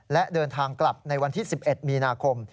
และเดินทางกลับในวันที่๑๑มีนาคม